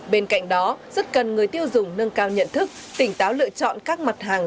bên cạnh đó rất cần người tiêu dùng nâng cao nhận thức tỉnh táo lựa chọn các mặt hàng